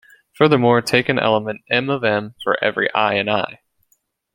Furthermore, take an element "m" of "M" for every "i" in "I".